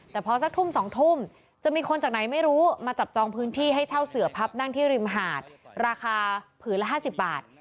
แต่พอสักทุ่ม๒ทุ่มจะมีคนจากไหนไม่รู้มาจับจองพื้นที่ให้เช่าเสือพับนั่งที่ริมหาดราคาผืนละ๕๐บาท